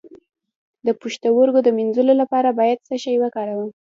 د پښتورګو د مینځلو لپاره باید څه شی وکاروم؟